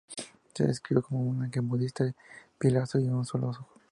Es descrito como un monje budista de piel azul y un solo ojo.